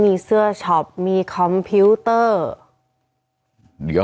มีเสื้อช็อปมีคอมพิวเตอร์